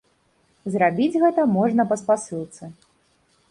Зрабіць гэта можна па спасылцы.